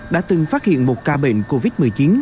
đã từng phát hiện một ca bệnh covid một mươi chín